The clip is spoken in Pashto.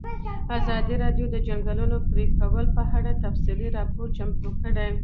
ازادي راډیو د د ځنګلونو پرېکول په اړه تفصیلي راپور چمتو کړی.